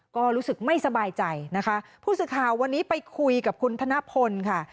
ก็รู้สึกไม่สบายใจนะคะผู้สื่อข่าววันนี้ไปคุยกับคุณธนพลค่ะ